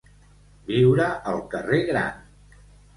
Viure al carrer Gran.